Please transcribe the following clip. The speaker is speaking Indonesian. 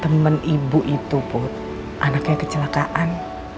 temen ibu itu put anaknya kecelakaan